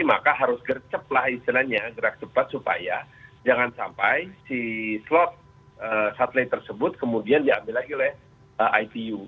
maka harus gercep lah istilahnya gerak cepat supaya jangan sampai si slot satelit tersebut kemudian diambil lagi oleh itu